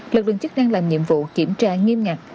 lực lượng chức năng làm nhiệm vụ kiểm tra nghiêm ngặt